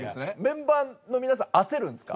メンバーの皆さん焦るんですか？